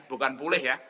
bukan puleh ya